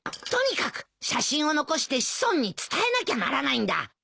とにかく写真を残して子孫に伝えなきゃならないんだ。